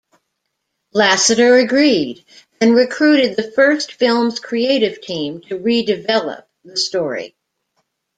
Lasseter agreed, and recruited the first film's creative team to redevelop the story.